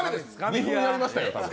２分やりましたよ、多分。